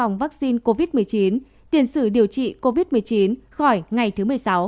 sản phụ sinh trong vắc xin covid một mươi chín tiền sử điều trị covid một mươi chín khỏi ngày thứ một mươi sáu